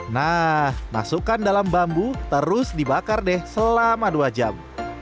nah masukkan dalam bambu terus dibakar deh selama dua jam